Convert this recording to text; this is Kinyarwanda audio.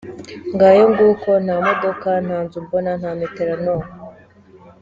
Ngayo nguko, nta modoka, nta nzu mbona, nta matela noo.